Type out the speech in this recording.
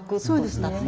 そうですね。